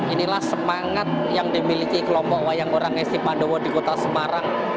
inilah semangat yang dimiliki kelompok wayang orang esti pandowo di kota semarang